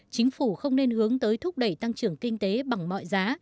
chính phủ không nên hướng tới thúc đẩy tăng trưởng kinh tế bằng mọi giá